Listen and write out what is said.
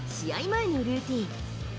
前のルーティン。